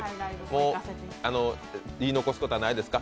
もう言い残すことはないですか？